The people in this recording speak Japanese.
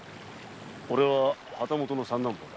おれは旗本の三男坊だ。